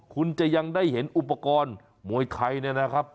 คุณจะยังได้เห็นอุปกรณ์มวยไทยเนี่ยนะครับ